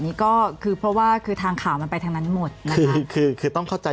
ผมเป็นเพศรับบาปอย่างเดียวเลยนี่ผมคิดว่า